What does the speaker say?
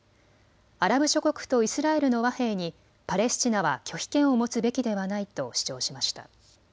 アラブ諸国とイスラエルの和平にパレスチナは拒否権を持つべきではないと主張しました。